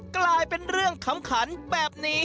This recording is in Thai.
กลายเป็นเรื่องขำขันแบบนี้